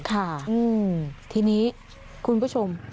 ค่ะทีนี้คุณผู้ชม